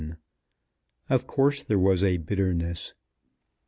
"OF COURSE THERE WAS A BITTERNESS."